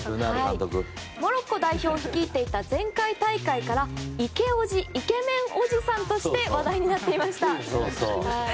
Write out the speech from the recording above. モロッコ代表を率いていた前回大会からイケオジイケメンおじさんとして話題になっていました。